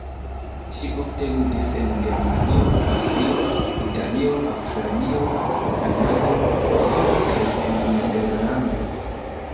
Ŝi ofte ludis en Germanio, Aŭstrio, Italio, Aŭstralio, Kanado, Usono kaj en Nederlando.